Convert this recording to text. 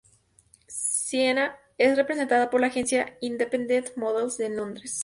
Sienna es representada por la agencia Independent Models en Londres.